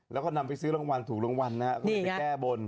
แล้วก็นำไปซื้อรางวัลถูกรางวัลนะฮะ